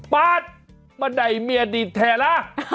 ป๊๊า๊ดมาได้เมียดีแท้ล่ะ